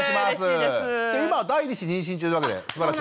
今第２子妊娠中なわけですばらしい。